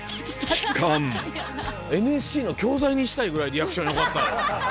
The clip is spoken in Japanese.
帰還ＮＳＣの教材にしたいぐらいリアクション良かったよ。